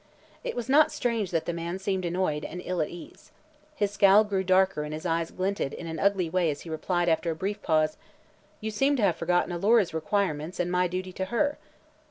It was not strange that the man seemed annoyed and ill at ease. His scowl grew darker and his eyes glinted in an ugly way as he replied, after a brief pause: "You seem to have forgotten Alora's requirements and my duty to her."